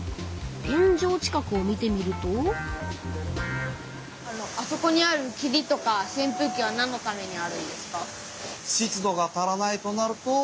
天じょう近くを見てみるとあそこにあるきりとかせんぷうきはなんのためにあるんですか？